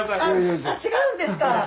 あ違うんですか。